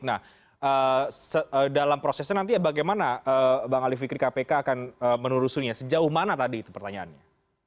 nah dalam prosesnya nanti ya bagaimana bang ali fikri kpk akan menelusunya sejauh mana tadi itu pertanyaannya